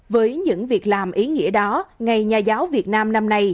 với những việc làm ý nghĩa đó ngày nhà giáo việt nam năm nay